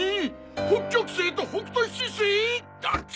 北極星と北斗七星⁉アタタ！